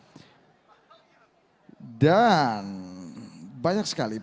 pt jasa marga persero tbk